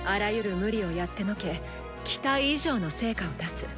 「ムリ」をやってのけ期待以上の成果を出す。